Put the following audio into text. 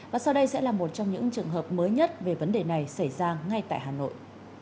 và sau đây sẽ là một trong những trường hợp mới nhất về vấn đề này xảy ra ngay tại hà nội